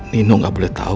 nino gak boleh tau